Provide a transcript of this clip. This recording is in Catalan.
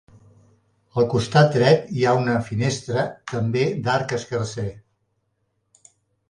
Al costat dret hi ha una finestra, també d'arc escarser.